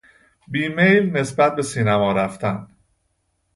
بیمیل نسبت به سینما رفتن